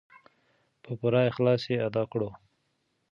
په پوره اخلاص یې ادا کړو.